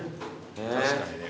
確かにね。